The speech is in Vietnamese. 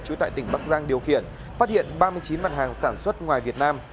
trú tại tỉnh bắc giang điều khiển phát hiện ba mươi chín mặt hàng sản xuất ngoài việt nam